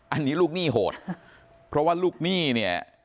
อันนี้ลูกหนี้โหดเพราะว่าลูกหนี้เนี่ย